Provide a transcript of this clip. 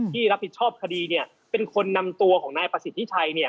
ที่รับผิดชอบคดีเป็นคนนำตัวของนายประสิทธิ์ที่ไทย